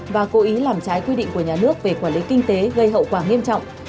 và cố ý làm trái quy định của nhà nước về quản lý kinh tế gây hậu quả nghiêm trọng